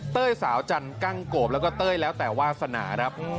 สาวจันกั้งโกบแล้วก็เต้ยแล้วแต่วาสนาครับ